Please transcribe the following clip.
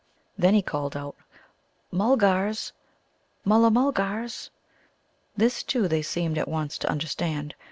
Then he called out, "Mulgars, Mulla mulgars?" This, too, they seemed at once to understand.